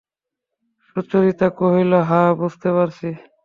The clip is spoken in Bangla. সুচরিতা কহিল, হাঁ, বুঝতে পারছি।